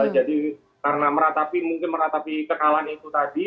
jadi karena meratapi kekalan itu tadi